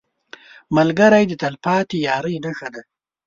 ملګری د تلپاتې یارۍ نښه ده